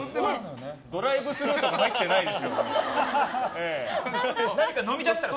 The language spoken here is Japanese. ドライブスルーとか入ってないですよね。